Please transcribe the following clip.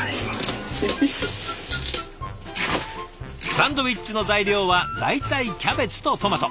サンドイッチの材料は大体キャベツとトマト。